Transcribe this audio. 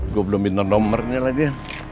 gue belum minta nomernya lagi